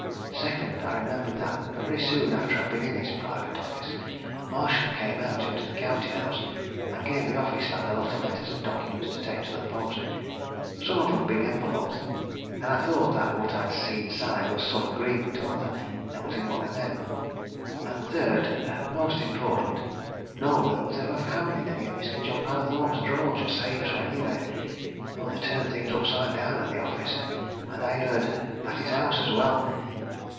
Second I remembered that very soon after I'd been in his private office Marshall came out into the counting house and gave the office lad a lot of letters and documents to take to the post some of 'em big envelopes and I thought that what I'd seen signed was some agreement or other that was in one of them. And third and most important no will was ever found in any of Mr. John Mallathorpe's drawers or safes or anywhere, though they turned things upside down at the office, and, I heard, at his house as well.